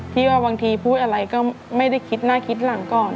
ที่ว่าบางทีพูดอะไรก็ไม่ได้คิดหน้าคิดหลังก่อน